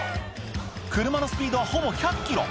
車のスピードはほぼ１００キロ